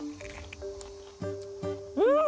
うん！